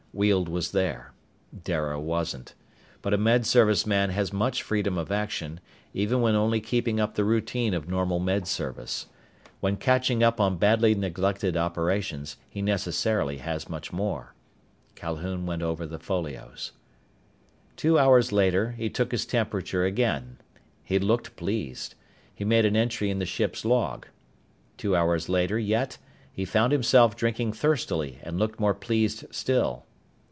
Weald was there. Dara wasn't. But a Med Service man has much freedom of action, even when only keeping up the routine of normal Med Service. When catching up on badly neglected operations, he necessarily has much more. Calhoun went over the folios. Two hours later he took his temperature again. He looked pleased. He made an entry in the ship's log. Two hours later yet he found himself drinking thirstily and looked more pleased still.